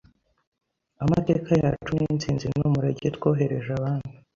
Amateka yacu nitsinzi n'umurage twohereje abami